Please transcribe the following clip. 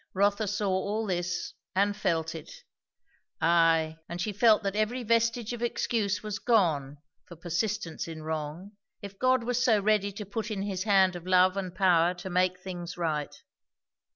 Rotha saw all this, and felt it. Ay, and she felt that every vestige of excuse was gone for persistence in wrong; if God was so ready to put in his hand of love and power to make things right.